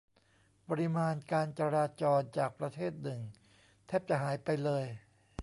ปริมาณการจราจรจากประเทศหนึ่งแทบจะหายไปเลย